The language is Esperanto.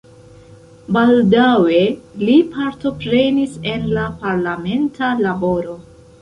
Baldaŭe li partoprenis en la parlamenta laboro.